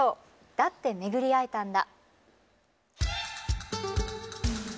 「だってめぐりえたんだ」。